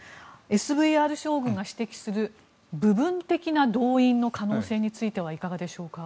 ＳＶＲ将軍が指摘する部分的な動員の可能性についてはいかがでしょうか。